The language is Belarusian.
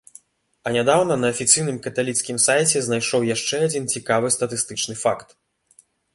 А нядаўна на афіцыйным каталіцкім сайце знайшоў яшчэ адзін цікавы статыстычны факт.